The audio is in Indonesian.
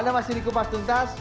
anda masih di kupas tuntas